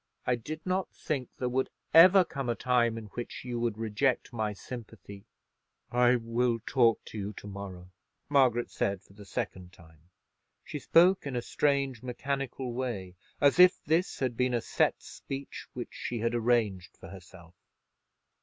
I did not think there would ever come a time in which you would reject my sympathy." "I will talk to you to morrow," Margaret said, for the second time. She spoke in a strange mechanical way, as if this had been a set speech which she had arranged for herself.